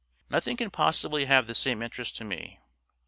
Nothing can possibly have the same interest to me.